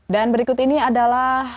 dan berikut ini adalah